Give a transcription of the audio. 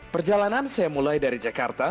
perjalanan saya mulai dari jakarta